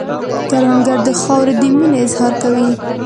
کروندګر د خاورې د مینې اظهار کوي